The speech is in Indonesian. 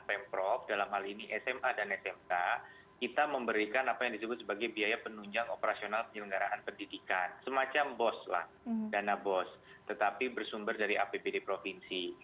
pemprov dalam hal ini sma dan smk kita memberikan apa yang disebut sebagai biaya penunjang operasional penyelenggaraan pendidikan semacam bos lah dana bos tetapi bersumber dari apbd provinsi